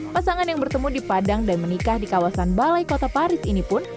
pasangan yang bertemu di padang dan menikah di kawasan balai kota paris ini pun